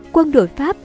quân đội pháp